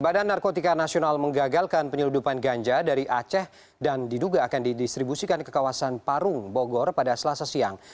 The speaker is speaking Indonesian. badan narkotika nasional menggagalkan penyeludupan ganja dari aceh dan diduga akan didistribusikan ke kawasan parung bogor pada selasa siang